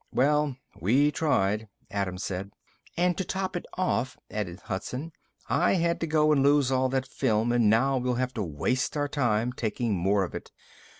"Well, we tried," Adams said. "And to top it off," added Hudson, "I had to go and lose all that film and now we'll have to waste our time taking more of it.